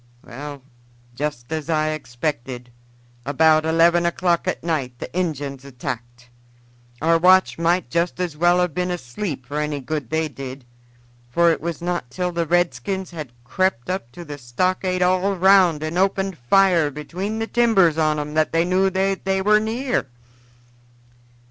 "Well, just as I expected, about eleven o'clock at night the Injuns attacked. Our watch might just as well have been asleep for any good they did, for it was not till the redskins had crept up to the stockade all round and opened fire between the timbers on 'em that they knew that they were near.